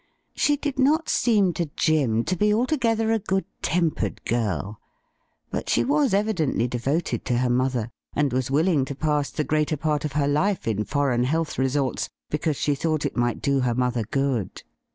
She did not seem to Jim to be altogether a good tem pered girl ; but she was evidently devoted to her mother, and was willing to pass the greater part of her life in foreign health resorts, because she thought it might do her mother good.